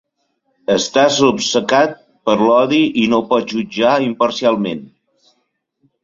Estàs obcecat per l'odi i no pots jutjar imparcialment.